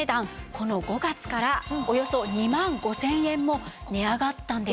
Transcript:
この５月からおよそ２万５０００円も値上がったんです。